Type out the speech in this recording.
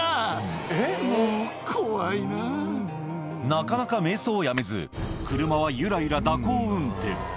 なかなか瞑想をやめず車はゆらゆら蛇行運転